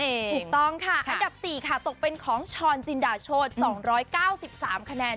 ถูกต้องค่ะอันดับ๔ค่ะตกเป็นของชรจินดาโชธ๒๙๓คะแนน